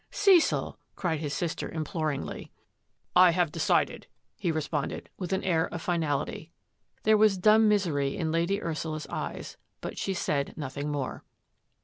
" Cecil !" cried his sister imploringly. 88 THAT AFFAIR AT THE MANOR " I have decided," he responded, with an air of finality. There was dumb misery in Lady Ursula's eyes, but she said nothing more.